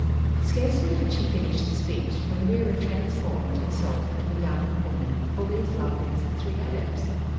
Scarcely had she finished this speech when Reera transformed herself into a young woman fully as lovely as the three Adepts.